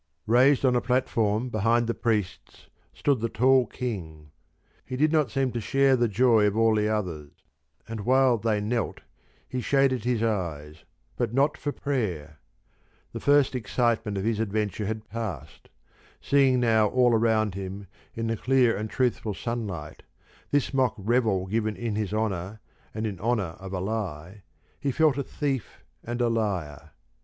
Raised on a platform behind the priests stood the tall King: he did not seem to share the joy of all the others, and while they knelt he shaded his eyes, but not for prayer, The first excitement of his adventure had passed: seeing now all around him in the clear and truthful sunlight this mock revel given in his honour and in honour of a lie, he felt a thief and a liar.